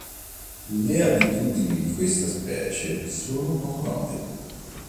Le abitudini di questa specie sono poco note.